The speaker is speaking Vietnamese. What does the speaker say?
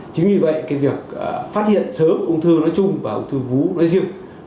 chính vì vậy việc phát hiện sớm ung thư nói chung và ung thư vú nói riêng